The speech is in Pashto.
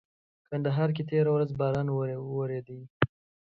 کندهار کي تيره ورځ باران ووريدلي.